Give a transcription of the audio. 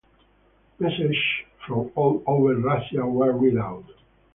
Messages from all over Russia were read out.